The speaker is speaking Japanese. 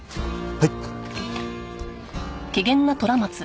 はい！